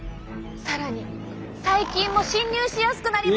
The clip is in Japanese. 更に細菌も侵入しやすくなります。